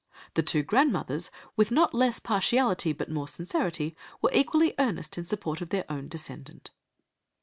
The two grandmothers with not less partiality, but more sincerity, were equally earnest in support of their own descendant."